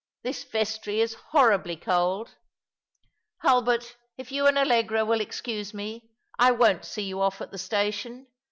This vestry is horribly cold. Hulbert, if you and Allegra will excuse me, I won't see you off at the station.